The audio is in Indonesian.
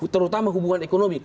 terutama hubungan ekonomi